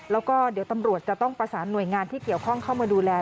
แล้วก็เดี๋ยวตำรวจจะต้องประสานหน่วยงานที่เกี่ยวข้องเข้ามาดูแล